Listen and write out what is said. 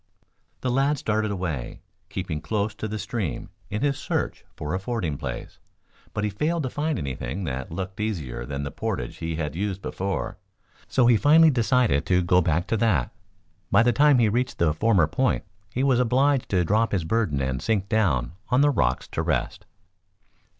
The lad started away, keeping close to the stream in his search of a fording place, but he failed to find anything that looked easier than the portage he had used before, so he finally decided to go back to that. By the time he reached the former point he was obliged to drop his burden and sink down on the rocks to rest.